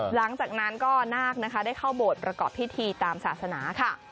หลังจากนั้นก็นาคนะคะได้เข้าโบสถ์ประกอบพิธีตามศาสนาค่ะ